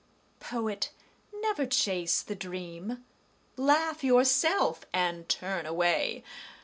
Poet, never chase the dream. Laugh yourself and turn away.